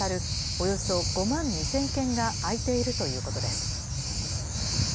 およそ５万２０００件が空いているということです。